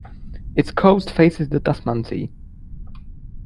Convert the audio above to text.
Its coast faces the Tasman Sea.